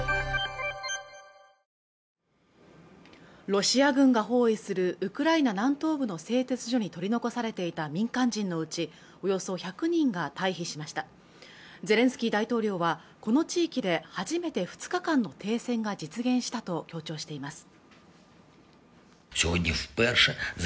ロシア軍が包囲するウクライナ南東部の製鉄所に取り残されていた民間人のうちおよそ１００人が退避しましたゼレンスキー大統領はこの地域で初めて２日間の停戦が実現したと強調しています